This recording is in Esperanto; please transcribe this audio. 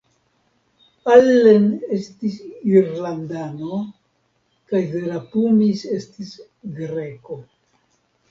Allen estis Irlandano kaj Zerapumis estis Greko.